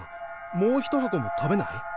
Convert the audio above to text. もう一箱も食べない？